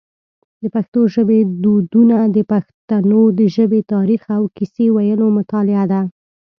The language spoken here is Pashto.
د پښتو ژبی دودونه د پښتنو د ژبی تاریخ او کیسې ویلو مطالعه ده.